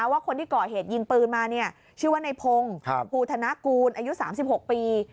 ว่าคนที่ก่อเหตุยิงปืนมาชื่อว่าในพงศ์ภูธนกูลอายุ๓๖ปี